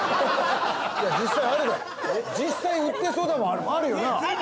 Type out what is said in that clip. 実際あるだろ実際売ってそうだもんあるよな？